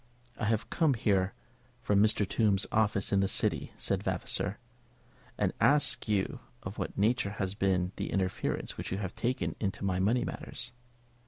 "I have come here from Mr. Tombe's office in the City," said Vavasor, "to ask you of what nature has been the interference which you have taken in my money matters?"